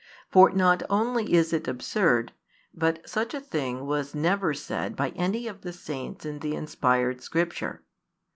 For not only is it absurd, but such a thing was never said by any of the saints in the inspired Scripture.